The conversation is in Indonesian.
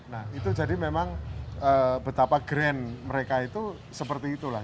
nah itu jadi memang betapa grand mereka itu seperti itulah